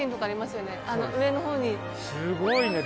すごいね。